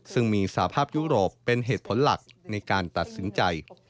ซึ่งมีสภาพยุโรปเป็นเหตุผลหลักในการตัดสินใจ